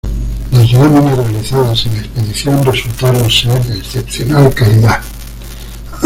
Las láminas realizadas en la expedición resultaron ser de excepcional calidad.